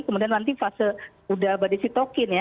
kemudian nanti fase udah berdisitokin ya